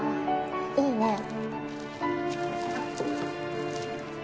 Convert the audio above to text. あいいね。